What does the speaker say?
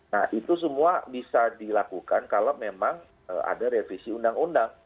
nah itu semua bisa dilakukan kalau memang ada revisi undang undang